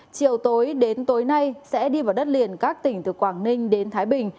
chiều tối đến tối nay sẽ đi vào đất liền các tỉnh từ quảng ninh đến thái bình